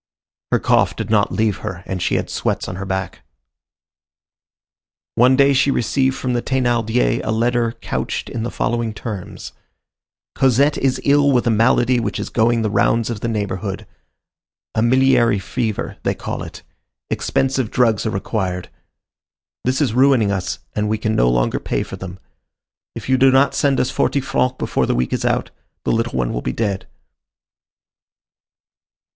Her cough did not leave her, and she had sweats on her back. One day she received from the Thénardiers a letter couched in the following terms: "Cosette is ill with a malady which is going the rounds of the neighborhood. A miliary fever, they call it. Expensive drugs are required. This is ruining us, and we can no longer pay for them. If you do not send us forty francs before the week is out, the little one will be dead."